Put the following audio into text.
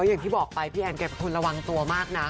อย่างที่บอกไปพี่แอนแกเป็นคนระวังตัวมากนะ